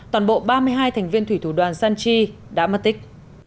toàn bộ ba mươi hai thành viên thủy thủ đoàn sanchi đã mất tích